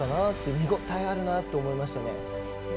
見応えあるなって思いましたね。